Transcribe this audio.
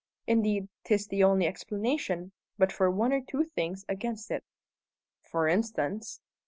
"Indeed, 'tis the only explanation, but for one or two things against it." "For instance?"